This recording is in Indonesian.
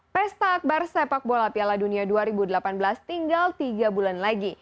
pesta akbar sepak bola piala dunia dua ribu delapan belas tinggal tiga bulan lagi